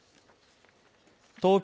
東京